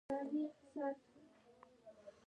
د پښتو ادبیاتو تاریخ غني دی.